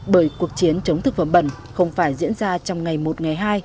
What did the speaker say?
bởi cuộc chiến chống thực phẩm bẩn không phải diễn ra trong ngày một ngày hai